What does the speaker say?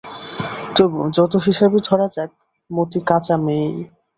তবু, যত হিসাবই ধরা যাক মতি কাঁচা মেয়েই।